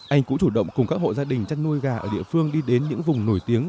anh cũng chủ động cùng các hộ gia đình chăn nuôi gà ở địa phương đi đến những vùng nổi tiếng